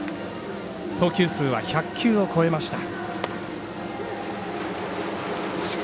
投球数は１００球を超えました。